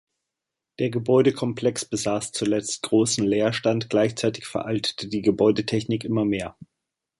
Der Gebäudekomplex besaß zuletzt großen Leerstand, gleichzeitig veraltete die Gebäudetechnik immer mehr.